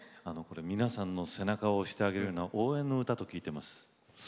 皆さんの背中を押してあげる応援の歌と聞いています。